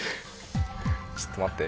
ちょっと待って。